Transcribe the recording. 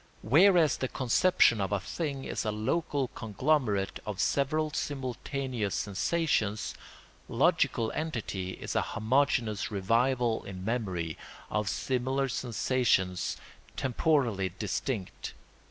Whereas the conception of a thing is a local conglomerate of several simultaneous sensations, logical entity is a homogeneous revival in memory of similar sensations temporally distinct.